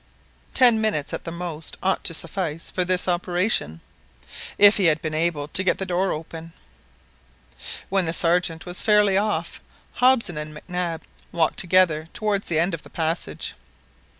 Ten minutes at the most ought to suffice for this operation, if he had been able to get the door open. When the Sergeant was fairly off, Hobson and Mac Nab walked together towards the end of the passage.